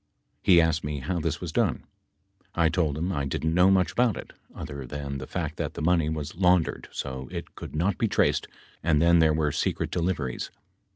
He asked me how this was done. I told him I didn't know much about it other than the fact that the money was laundered so it could not be traced and then there were secret deliveries.